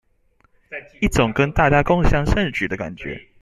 一種跟大家共襄盛舉的感覺